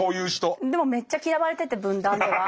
でもめっちゃ嫌われてて文壇では。